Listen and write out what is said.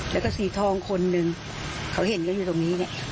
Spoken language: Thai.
แล้วก็สีทองคนหนึ่งเขาเห็นกันอยู่ตรงนี้เนี่ย